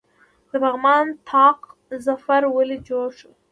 د پغمان طاق ظفر ولې جوړ شو؟